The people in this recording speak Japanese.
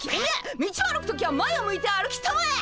道を歩く時は前を向いて歩きたまえ！